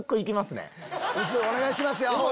お願いしますよ。